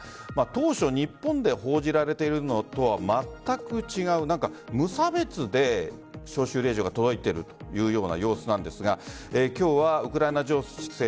当初日本で報じられているのとはまったく違う無差別で、招集令状が届いているというような様子なんですが今日はウクライナ情勢